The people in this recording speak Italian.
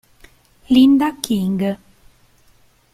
Linda King